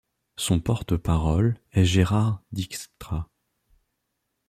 Son porte-parole est Gérard Dykstra.